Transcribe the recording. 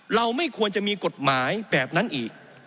เราไม่ควรจะมีกฎหมายแบบนั้นอีก